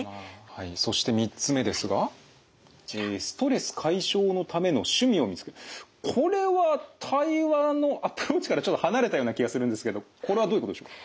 はいそして３つ目ですがこれは対話のアプローチからちょっと離れたような気がするんですけどこれはどういうことでしょうか？